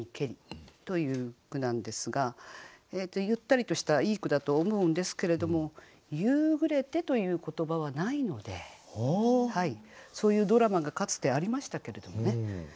ゆったりとしたいい句だと思うんですけれども「夕暮れて」という言葉はないのでそういうドラマがかつてありましたけれどもね。